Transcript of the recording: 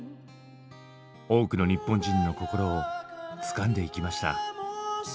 多くの日本人の心をつかんでいきました。